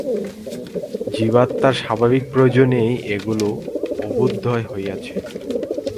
জীবাত্মার স্বাভাবিক প্রয়োজনেই ঐগুলির অভ্যুদয় হইয়াছে।